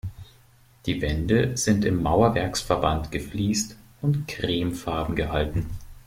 Die Wände sind im Mauerwerksverband gefliest und cremefarben gehalten.